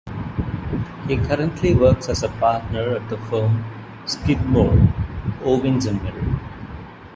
He currently works as a partner at the firm Skidmore, Owings and Merrill.